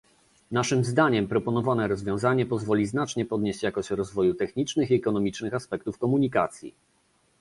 Naszym zdaniem, proponowane rozwiązanie pozwoli znacznie podnieść jakość rozwoju technicznych i ekonomicznych aspektów komunikacji